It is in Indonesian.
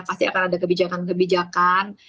pasti akan ada kebijakan kebijakan